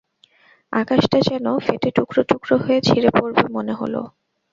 আকাশটা যেন ফেটে টুকরো টুকরো হয়ে ছিঁড়ে পড়বে মনে হল।